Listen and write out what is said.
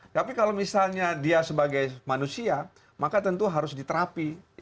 tapi kalau misalnya dia sebagai manusia maka tentu harus diterapi